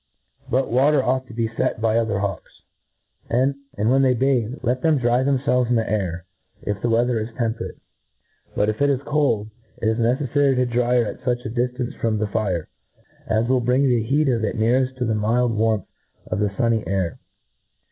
But water ought to be fet by other hawks; and when they bathe, let them dry themfelves in the air, if the weather is tempe rate. But, if it is cold, it is neceflary to dry her at fuch a diflance from the fire, as will bring the heat of it neareft to the mild warmth of the fun ny air.